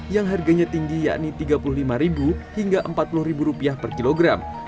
yang harganya tinggi yakni rp tiga puluh lima hingga rp empat puluh per kilogram